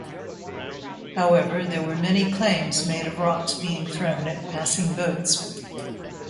However, there were many claims made of rocks being thrown at passing boats.